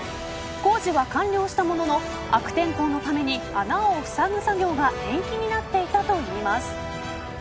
工事は完了したものの悪天候のために穴をふさぐ作業が延期になっていたといいます。